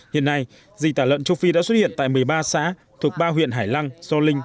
hiện nay dịch tả lợn châu phi đã xuất hiện tại một mươi ba xã thuộc ba huyện hải lăng gio linh